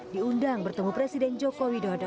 diundang bertemu presiden joko widodo